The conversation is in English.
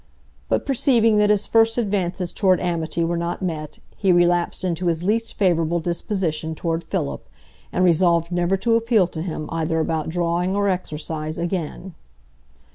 But perceiving that his first advances toward amity were not met, he relapsed into his least favourable disposition toward Philip, and resolved never to appeal to him either about drawing or exercise again.